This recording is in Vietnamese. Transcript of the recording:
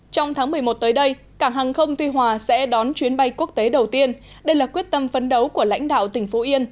trong tháng một mươi một tới đây cảng hàng không tuy hòa sẽ đón chuyến bay quốc tế đầu tiên đây là quyết tâm phấn đấu của lãnh đạo tỉnh phú yên